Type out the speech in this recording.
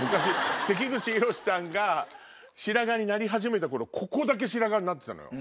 関口宏さんが白髪になり始めた頃ここだけ白髪になってたのよ。